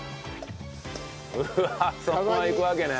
うわっそのままいくわけね。